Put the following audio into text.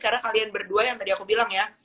karena kalian berdua yang tadi aku bilang ya